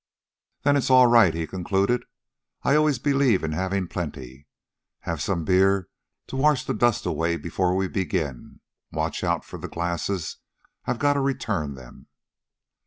"Then it's all right," he concluded. "I always believe in havin' plenty. Have some beer to wash the dust away before we begin? Watch out for the glasses. I gotta return them."